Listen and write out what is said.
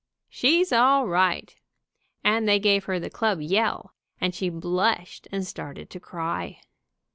She's all right !" and they gave her the club yell, and she blushed and started to cry.